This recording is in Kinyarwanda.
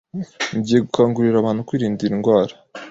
Ngiye gukangurira abantu kwirinda iyi ndwara